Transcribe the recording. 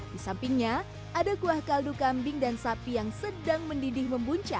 di sampingnya ada kuah kaldu kambing dan sapi yang sedang mendidih membunca